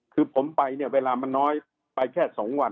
คือผมไปเนี่ยเวลามันน้อยไปแค่๒วัน